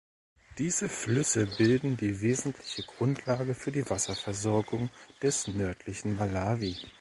Diese Flüsse bilden die wesentliche Grundlage für die Wasserversorgung des nördlichen Malawi.